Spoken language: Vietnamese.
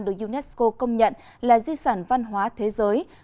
được unesco công nhận là di sản văn hóa thế giới